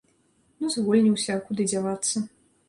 Ну звольніўся, а куды дзявацца.